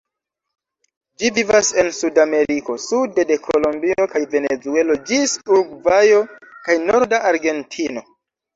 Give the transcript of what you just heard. Ĝi vivas en Sudameriko, sude de Kolombio kaj Venezuelo ĝis Urugvajo kaj norda Argentino.